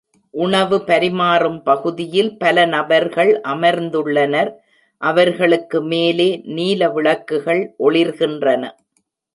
உணவு பரிமாறும் பகுதியில் பல நபர்கள் அமர்ந்துள்ளனர், அவர்களுக்கு மேலே நீல விளக்குகள் ஒளிர்கின்றன.